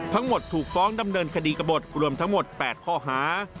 ทั้งหมดถูกฟ้องดำเนินคดีกบทรวมทั้งหมด๘ข้อฮา